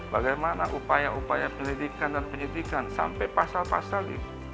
bagaimana upaya upaya penyelidikan dan penyidikan sampai pasal pasal itu